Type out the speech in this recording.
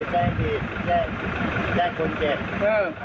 แจ้งดีแจ้งแจ้งคนเจ็บ